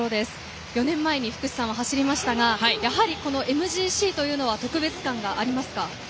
４年前に福士さんは走りましたがＭＧＣというのは特別感がありますか？